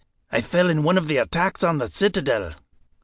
I fell in one of the attacks on the citadel.